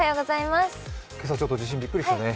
今朝ちょっと地震びっくりしたね。